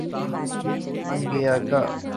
Angika